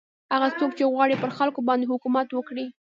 هغه څوک چې غواړي پر خلکو باندې حکومت وکړي.